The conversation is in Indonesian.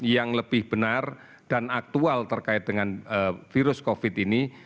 yang lebih benar dan aktual terkait dengan virus covid ini